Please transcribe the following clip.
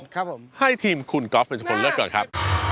กินกรอฟเป็นสิ่งผลเลือกก่อนครับ